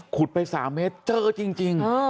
ไป๓เมตรเจอจริง